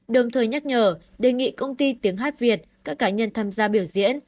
đồng thời nhắc nhở đề nghị công ty tiếng hát việt các cá nhân tham gia biểu diễn